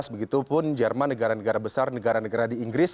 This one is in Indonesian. begitupun jerman negara negara besar negara negara di inggris